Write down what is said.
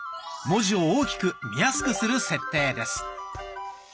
文字を大きく見やすくする設定です。